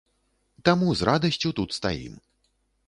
Таму з радасцю тут стаім.